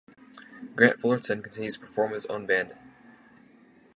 Grant Fullerton continues to perform with his own band.